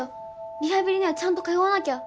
リハビリにはちゃんと通わなきゃ。